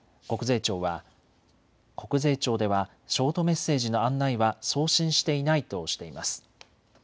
国税庁ではショートメッセージの案内は送信していないとしています。